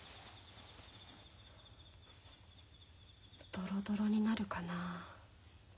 ドロドロになるかなあ。